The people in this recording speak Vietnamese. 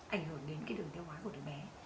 ảnh hưởng đến cái đường tiêu hóa của đứa bé